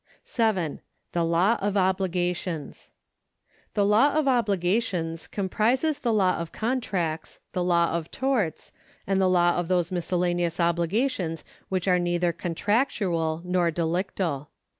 7. The Law of Obligations. The law of obligations comprises the law of contracts, the law of torts, and the law of those miscellaneous obligations which are neither con tractual nor delictal.